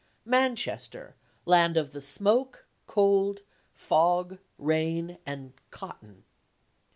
"Manchester, land of the smoke, cold, fog, rain and cotton!